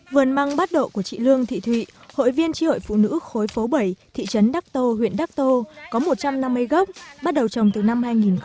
vườn măng bát độ của chị lương thị thụy hội viên tri hội phụ nữ khối phố bảy thị trấn đắc tô huyện đắc tô có một trăm năm mươi gốc bắt đầu trồng từ năm hai nghìn một mươi